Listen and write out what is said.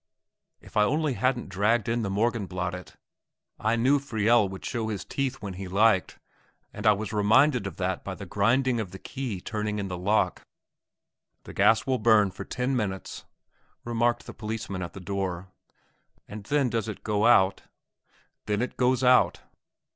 If I only hadn't dragged in the Morgenbladet. I knew Friele could show his teeth when he liked, and I was reminded of that by the grinding of the key turning in the lock. "The gas will burn for ten minutes," remarked the policeman at the door. "And then does it go out?" "Then it goes out!"